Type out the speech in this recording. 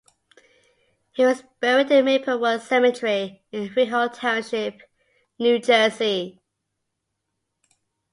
He was buried in Maplewood Cemetery, in Freehold Township, New Jersey.